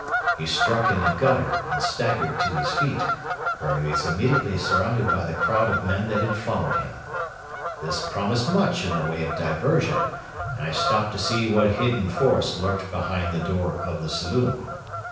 He struck in the gutter and staggered to his feet, where he was immediately surrounded by the crowd of men that had followed him. This promised much in the way of diversion, and I stopped to see what hidden force lurked behind the door of the saloon.